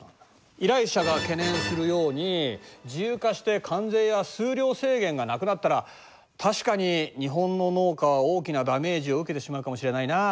依頼者が懸念するように自由化して関税や数量制限がなくなったら確かに日本の農家は大きなダメージを受けてしまうかもしれないな。